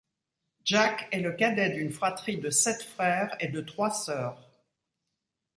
Jack est le cadet d'une fratrie de sept frères et de trois sœurs.